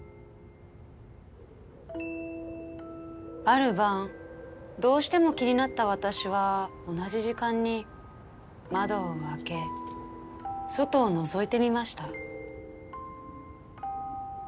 ある晩どうしても気になった私は同じ時間に窓を開け外をのぞいてみました。